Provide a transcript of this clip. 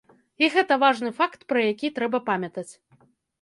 І гэта важны факт, пра які трэба памятаць.